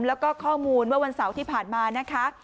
แล้วก็ข้อมูลเมื่อวันเสาร์ที่ผ่านมานะคะ